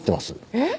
えっ？